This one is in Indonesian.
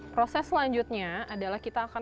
proses selanjutnya adalah kita akan